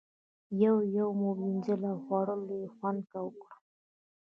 یوه یوه مو ووینځله او خوړلو یې خوند وکړ.